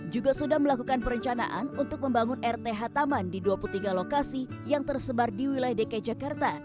juga sudah melakukan perencanaan untuk membangun rth taman di dua puluh tiga lokasi yang tersebar di wilayah dki jakarta